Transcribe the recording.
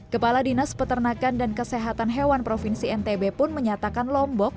kepala dinas peternakan dan kesehatan hewan provinsi ntb pun menyatakan lombok